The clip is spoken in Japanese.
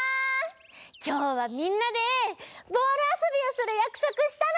きょうはみんなでボールあそびをするやくそくしたの！